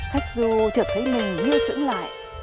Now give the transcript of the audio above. khách du trở thấy mình như sững lại